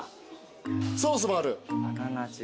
ソースもある。